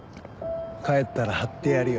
帰ったら貼ってやるよ。